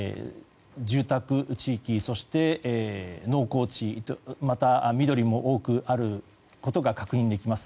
住宅地域、そして農耕地また、緑も多くあることが確認できます。